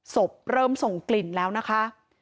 ศพเริ่มส่งกลิ่นแล้วนะคะ